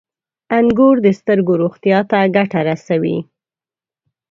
• انګور د سترګو روغتیا ته ګټه رسوي.